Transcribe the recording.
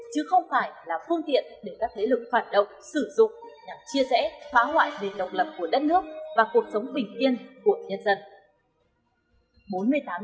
chứ không phải là phương tiện để các thế lực phản động sử dụng nhằm chia rẽ phá hoại nền độc lập của đất nước và cuộc sống bình yên của nhân dân